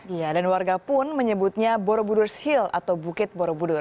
iya dan warga pun menyebutnya borobudur shield atau bukit borobudur